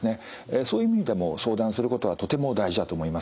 そういう意味でも相談することはとても大事だと思います。